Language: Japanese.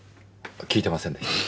聞いてませんでした。